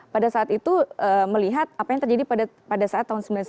pada saat itu melihat apa yang terjadi pada pada saat tahun sembilan puluh sembilan